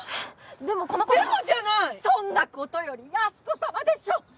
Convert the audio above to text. そんなことより八寿子さまでしょ！